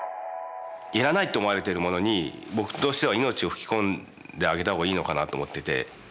いらないと思われているものに僕としては命を吹き込んであげた方がいいのかなと思ってて。